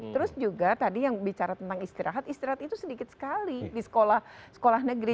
terus juga tadi yang bicara tentang istirahat istirahat itu sedikit sekali di sekolah sekolah negeri